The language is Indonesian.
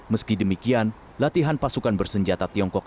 meski demikian latihan pasukan bersenjata tiongkok